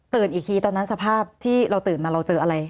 อีกทีตอนนั้นสภาพที่เราตื่นมาเราเจออะไร